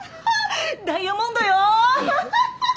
ダイヤモンドよアハハ！